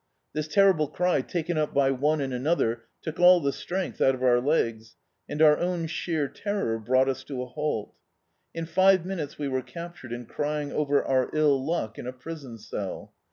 This terrible cry, taken up by one and another, took all the strength out of our legs, and our own sheer terror brought us to a halt. In five minutes we were captured and crying over our ill luck in a prison cell.